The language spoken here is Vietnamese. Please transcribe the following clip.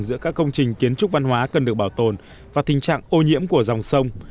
giữa các công trình kiến trúc văn hóa cần được bảo tồn và tình trạng ô nhiễm của dòng sông